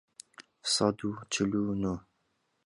سەد و چل و نۆ